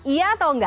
iya atau enggak